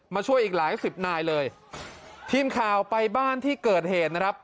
ช่วยอีกหลายสิบนายเลยทีมข่าวไปบ้านที่เกิดเหตุนะครับ